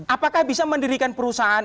apakah bisa mendirikan perusahaan